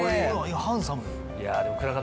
ハンサムだ！